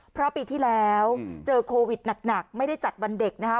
เพราะปีที่แล้วเจอโควิดหนักไม่ได้จัดวันเด็กนะคะ